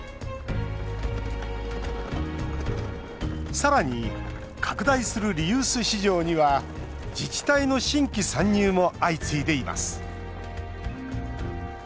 さらに、拡大するリユース市場には自治体の新規参入も相次いでいます。